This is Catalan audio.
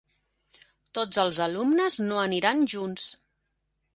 Tots els alumnes no aniran junts.